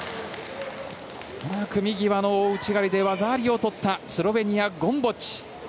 組み際の大内刈りで技ありを取ったスロベニアのゴムボッチ。